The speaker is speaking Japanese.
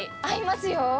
合いますよ。